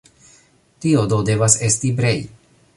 Tio do devas esti Brej.